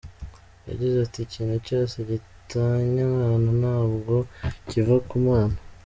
Yagize ati: “Ikintu cyose gitanya abantu ntabwo kiva ku Mana.